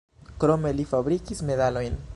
Krome li fabrikis medalojn.